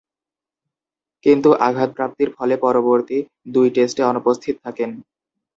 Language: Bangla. কিন্তু আঘাতপ্রাপ্তির ফলে পরবর্তী দুই টেস্টে অনুপস্থিত থাকেন।